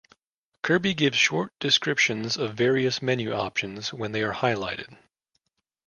Kirby gives short descriptions of various menu options when they are highlighted.